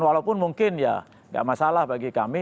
walaupun mungkin ya nggak masalah bagi kami